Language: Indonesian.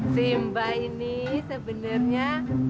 simba ini sebenarnya